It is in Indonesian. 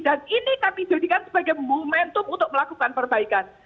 ini kami jadikan sebagai momentum untuk melakukan perbaikan